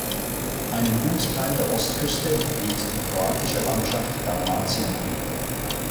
Einen Gutteil der Ostküste nimmt die kroatische Landschaft Dalmatien ein.